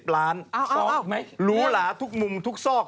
๓๐ล้านรู้เหรอทุกมุมทุกซอก